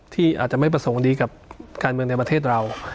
ที่อาจจะไม่ประสงค์ดีกับการเมืองในประเทศเรา